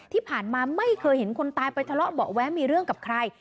ที่ผ่านมาไม่เคยเห็นคนตายไปทะเลาะเบาะแว้งมีเรื่องกับใคร